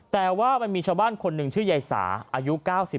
แต่ว่ามันมีชาวบ้านคนหนึ่งชื่อยายสาอายุ๙๓